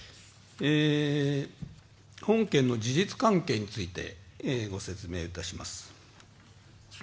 本件の事実関係についてご説明いたします。